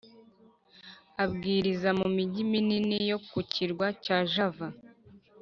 Abwiriza mu migi minini yo ku kirwa cya Java.